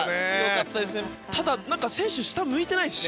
ただ、選手下向いてないですね。